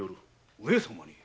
上様に？